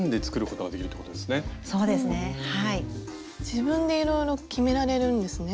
自分でいろいろ決められるんですね。